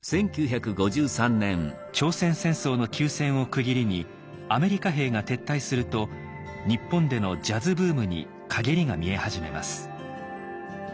朝鮮戦争の休戦を区切りにアメリカ兵が撤退すると日本でのジャズブームに陰りが見え始めます。